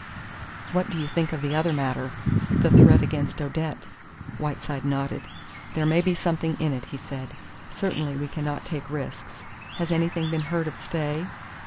"What do you think of the other matter the threat against Odette?" Whiteside nodded. "There may be something in it," he said. "Certainly we cannot take risks. Has anything been heard of Stay?"